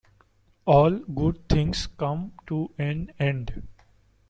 All good things come to an end.